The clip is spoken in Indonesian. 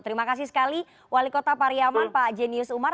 terima kasih sekali wali kota pariaman pak jenius umar